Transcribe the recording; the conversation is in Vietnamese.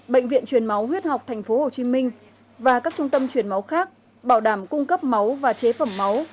bệnh viện truyền máu huyết học tp hcm và các trung tâm truyền máu khác bảo đảm cung cấp máu và chế phẩm máu